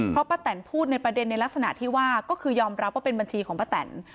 เพราะป้าแตนพูดในประเด็นในลักษณะที่ว่าก็คือยอมรับว่าเป็นบัญชีของป้าแตน